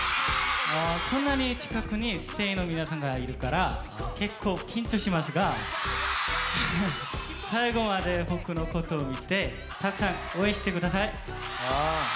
こんなに近くにＳＴＡＹの皆さんがいるから結構緊張しますが最後まで僕のことを見てたくさん応援してください！